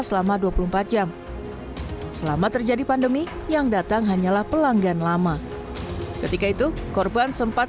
selama dua puluh empat jam selama terjadi pandemi yang datang hanyalah pelanggan lama ketika itu korban sempat